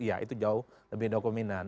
ya itu jauh lebih dokumen